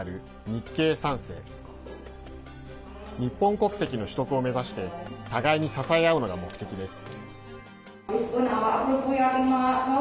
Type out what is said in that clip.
日本国籍の取得を目指して互いに支え合うのが目的です。